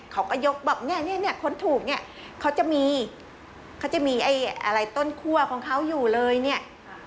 เขาก็ยกบอกเนี่ยคนถูกเนี่ยเขาจะมีต้นคั่วของเขาอยู่เลยเนี่ย